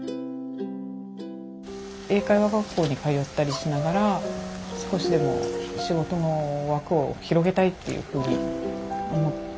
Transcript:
英会話学校に通ったりしながら少しでも仕事の枠を広げたいっていうふうに思って。